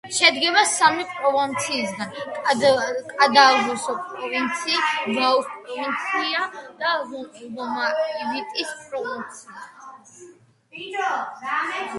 შედგება სამი პროვინციისგან: კანდავუს პროვინცია, ლაუს პროვინცია და ლომაივიტის პროვინცია.